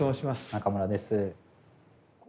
中村です。